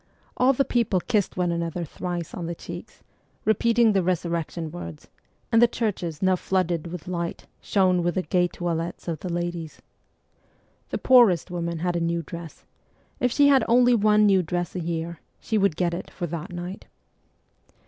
All the people kissed one another thrice on the cheeks, repeating the resurrection words f and the churches, now flooded with light, shone with the gay toilettes of the ladies. The poorest woman had a new dress ; if she had only one new dress a year, she would get it for that night.